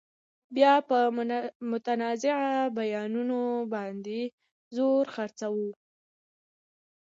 بیا نو په متنازعه بیانونو باندې زور خرڅوو.